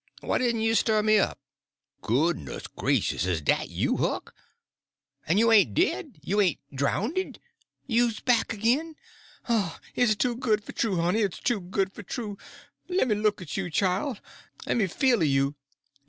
Why didn't you stir me up?" "Goodness gracious, is dat you, Huck? En you ain' dead—you ain' drownded—you's back agin? It's too good for true, honey, it's too good for true. Lemme look at you chile, lemme feel o' you.